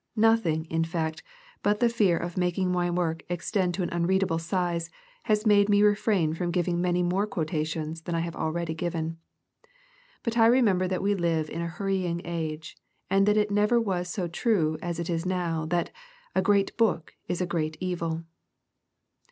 Nothing, in fact, but the fear of making my work extend to an unreadable size, has made me refrain from giving many more quotations than I have already given. But I remember that we live in a hurrying age, and that it never was so truo as it is now, that " a great book is a great evil."